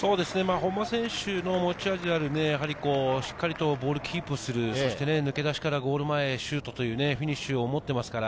本間選手の持ち味であるしっかりボールをキープする、抜け出しからゴール前、シュートというフィニッシュを持っていますから。